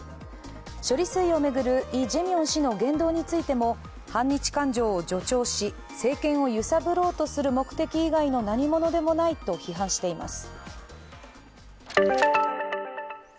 処理水を巡るイ・ジェミョン氏の言動についても反日感情を助長し、政権を揺さぶろうとする目的以外の何ものでもないと批判しています。